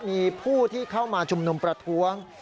มีผู้ที่เข้ามาชุมนุมประท้วง